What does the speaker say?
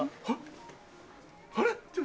あれ？